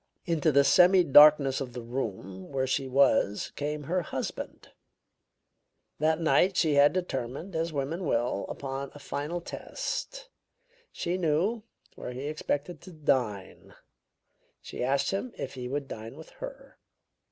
Into the semidarkness of the room where she was came her husband. That night she had determined, as women will, upon a final test. She knew where he expected to dine; she asked him if he would dine with her.